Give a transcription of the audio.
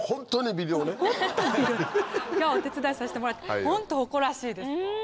お手伝いさせてもらえてホント誇らしいです。